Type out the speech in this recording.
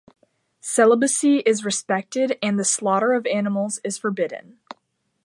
Celibacy is respected and the slaughter of animals is forbidden.